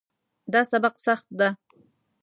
دا سبق سخت ده